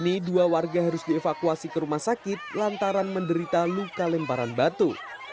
kini dua warga harus dievakuasi ke rumah sakit lantaran menderita luka lemparan batu